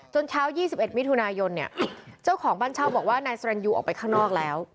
เช้า๒๑มิถุนายนเนี่ยเจ้าของบ้านเช่าบอกว่านายสรรยูออกไปข้างนอกแล้ว